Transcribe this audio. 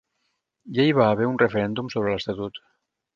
Ja hi va haver un referèndum sobre l’estatut.